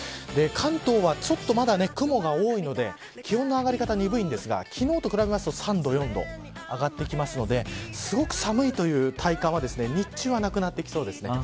関東はちょっとまだ雲が多いので気温の上がり方、鈍いんですが昨日と比べると３度、４度上がっていくのですごく寒いという体感は日中はなくなってきそうです。